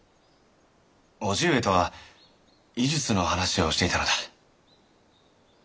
叔父上とは医術の話をしていたのだ。